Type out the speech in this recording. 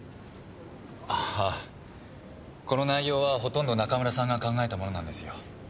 ああこの内容はほとんど中村さんが考えたものなんですよ。